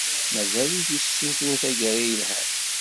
Mazal-it issutur taggara ilhan.